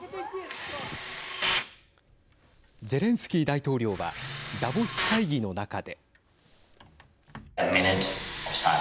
ゼレンスキー大統領はダボス会議の中で。